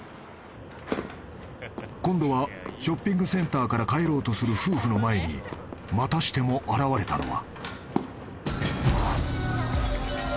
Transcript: ［今度はショッピングセンターから帰ろうとする夫婦の前にまたしても現れたのは］